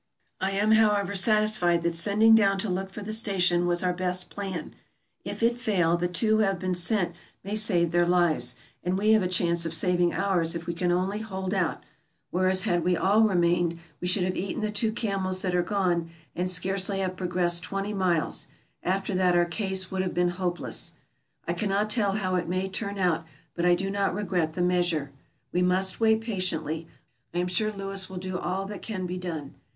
I am, however, satisfied that sending down to look for the station was our best plan; if it fail, the two who have been sent may save their lives, and we have a chance of saving ours if we can only hold out, whereas had we all re mained, we should have eaten the two camels that are gone, and scarcely have progressed twenty miles ; after that our case would have been hopeless. I cannot tell how it may turn out, but I do not regret the measure. We must wait patiently, I am sure Lewis will do all that can be done.